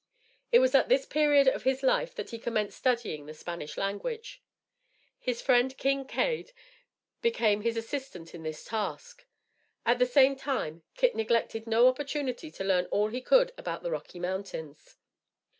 It was at this period of his life that he commenced studying the Spanish language. His friend Kin Cade became his assistant in this task. At the same time Kit neglected no opportunity to learn all he could about the Rocky Mountains.